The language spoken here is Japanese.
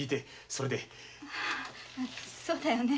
そうだよね